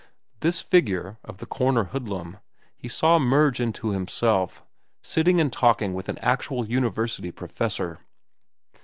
This figure, of the corner hoodlum, he saw merge into himself, sitting and talking with an actual university professor.